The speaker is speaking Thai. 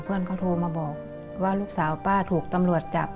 เพื่อนเขาโทรมาบอกว่าลูกสาวป้าถูกตำรวจจับ